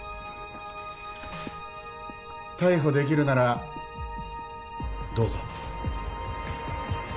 逮捕できるならどうぞ。